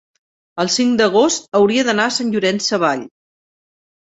el cinc d'agost hauria d'anar a Sant Llorenç Savall.